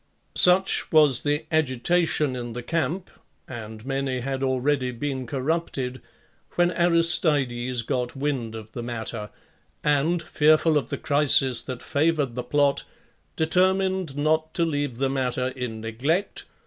Such. was the agitation in the camp, and many had already been corrupted, when Aristides got wind of the matter, and, fearful of the' crisis that '<5 favoured the plot, determined not to leave the 251 PLUTARCH'S.